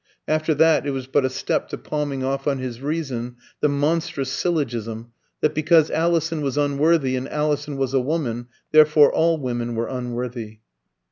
After that, it was but a step to palming off on his reason the monstrous syllogism that because Alison was unworthy, and Alison was a woman, therefore all women were unworthy.